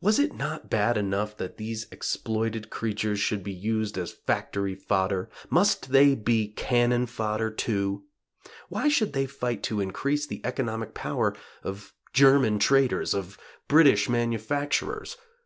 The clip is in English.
Was it not bad enough that these exploited creatures should be used as factory fodder? Must they be cannon fodder too? Why should they fight to increase the economic power of German traders? of British manufacturers?